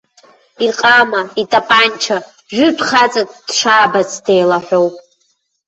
Иҟама, итапанча, жәытә хаҵак дшаабац деилаҳәоуп.